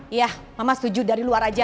iya mama setuju dari luar aja